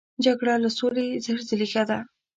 جګړه له سولې زر ځله ښه ده.